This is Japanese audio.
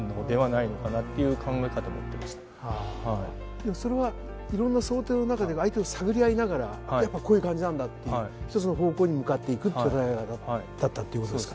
でもそれはいろんな想定の中で相手を探り合いながらやっぱこういう感じなんだっていう一つの方向に向かっていく戦い方だったっていう事ですか？